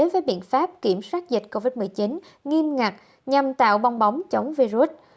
với biện pháp kiểm soát dịch covid một mươi chín nghiêm ngặt nhằm tạo bong bóng chống virus